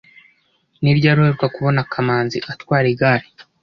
ni ryari uheruka kubona kamanzi atwara igare